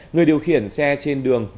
người điều khiển xe trên đường